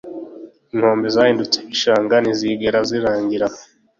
inkombe zahindutse ibishanga ntizigera zirangira